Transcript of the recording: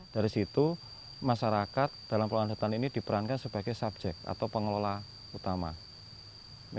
dari situ masyarakat dalam pengelolaan hutan ini diperankan sebagai subjek atau pengelola utama